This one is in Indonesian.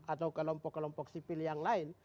atau kelompok kelompok sipil yang lain